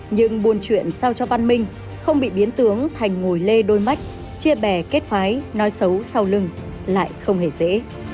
những buồn chuyện sao cho văn minh không bị biến tướng thành ngồi lê đôi mắt chia bè kết phái nói xấu sau lưng lại không hề dễ